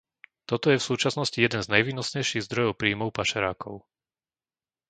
Toto je v súčasnosti jeden z najvýnosnejších zdrojov príjmov pašerákov.